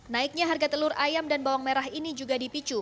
naiknya harga telur ayam dan bawang merah ini juga dipicu